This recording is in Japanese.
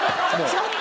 ちょっと。